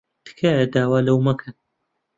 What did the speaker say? تکایە داوا لەو مەکەن.